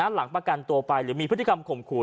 หลังประกันตัวไปหรือมีพฤติกรรมข่มขู่